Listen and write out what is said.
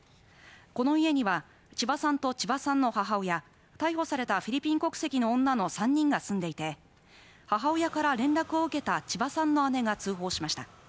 この家には千葉さんと千葉さんの母親逮捕されたフィリピン国籍の女の３人が住んでいて母親から連絡を受けた千葉さんの姉が通報しました。